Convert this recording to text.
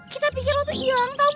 kita pikir lo tuh ilang tau ga